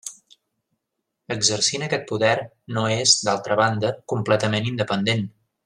Exercint aquest poder, no és, d'altra banda, completament independent.